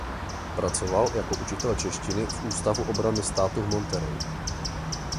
Pracoval jako učitel češtiny v Ústavu obrany státu v Monterey.